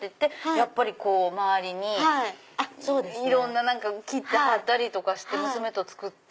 やっぱり周りにいろんな何か切って貼ったりして娘と作って。